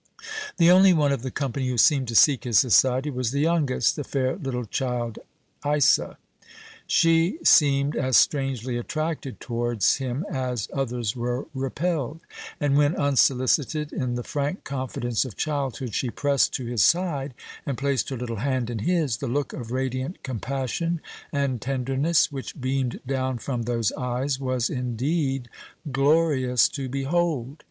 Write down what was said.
The only one of the company who seemed to seek his society was the youngest, the fair little child Isa. She seemed as strangely attracted towards him as others were repelled; and when, unsolicited, in the frank confidence of childhood she pressed to his side, and placed her little hand in his, the look of radiant compassion and tenderness which beamed down from those eyes was indeed glorious to behold.